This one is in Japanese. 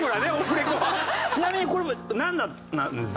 ちなみにこれはなんなんです？